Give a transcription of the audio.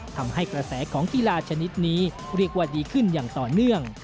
ทำให้กระแสของกีฬาชนิดนี้เรียกว่าดีขึ้นอย่างต่อเนื่อง